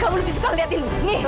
kamu lebih suka lihat ini